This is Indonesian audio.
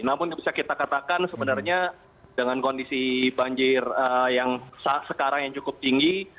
namun yang bisa kita katakan sebenarnya dengan kondisi banjir yang sekarang yang cukup tinggi